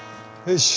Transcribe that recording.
よし！